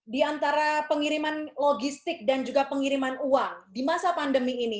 di antara pengiriman logistik dan juga pengiriman uang di masa pandemi ini